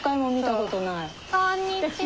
こんにちは。